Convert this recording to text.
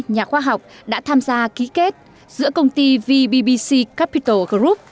nhà khoa học đã tham gia ký kết giữa công ty vbbc capital group